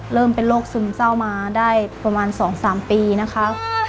เริ่มเป็นโรคซึมเศร้ามาได้ประมาณ๒๓ปีนะคะ